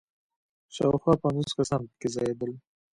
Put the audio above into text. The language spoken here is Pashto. شاوخوا پنځوس کسان په کې ځایېدل.